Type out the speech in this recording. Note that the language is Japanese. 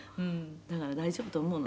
「だから大丈夫と思うの」